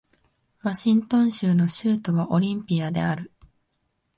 ワシントン州の州都はオリンピアである